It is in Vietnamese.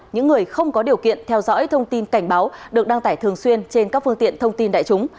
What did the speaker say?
những người không có điều kiện theo dõi thông tin cảnh báo được đăng tải thường xuyên trên các phương tiện thông tin đại chúng